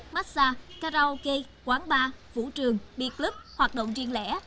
massage karaoke quán bar vũ trường beer club hoạt động riêng lẻ